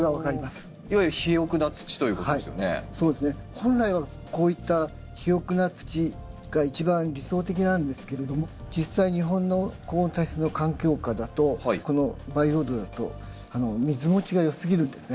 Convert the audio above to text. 本来はこういった肥沃な土が一番理想的なんですけれども実際日本の高温多湿の環境下だとこの培養土だと水もちが良すぎるんですね。